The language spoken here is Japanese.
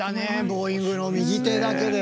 ボウイングの右手だけで。